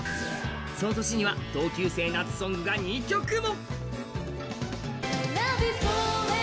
その年には同級生夏ソングが２曲も。